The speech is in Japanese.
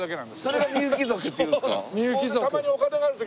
それがみゆき族って言うんですか？